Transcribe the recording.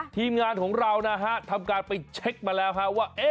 ทีมงานของเรานะฮะทำการไปเช็คมาแล้วว่า